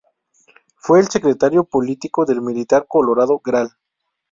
Fue el secretario político del militar colorado Gral.